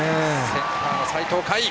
センターの齊藤海。